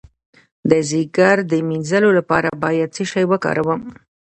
د ځیګر د مینځلو لپاره باید څه شی وکاروم؟